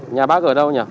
nhà bác ở đâu nhỉ